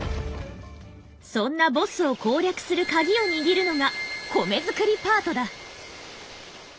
そんなボスを攻略するカギを握るのが米作りパートだ。